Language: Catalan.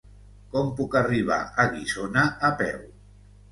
Com puc arribar a Guissona a peu?